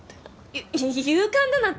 ゆ勇敢だなんて。